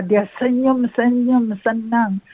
dia senyum senyum senang